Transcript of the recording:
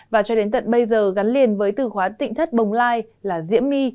và cho đến tận bây giờ gắn liền với tử khoán tịnh thất bồng lai là diễm my